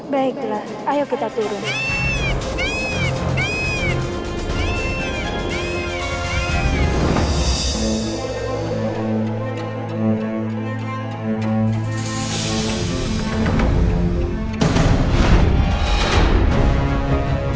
baiklah ayo kita turun